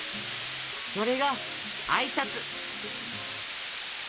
それがあいさつ。